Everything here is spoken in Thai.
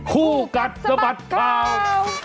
คู่กัดสะบัดข่าว